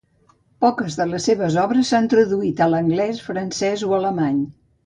Poques de les seves obres s'han traduït a l'anglès, francès o alemany.